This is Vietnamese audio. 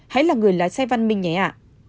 hãy là người lái xe văn minh nhé ạ